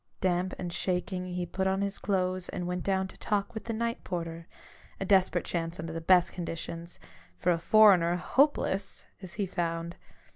Damp and shaking, he put on his clothes and went down to talk with the night porter — a desperate chance under the best conditions ; for a foreigner, hopeless ! as he found.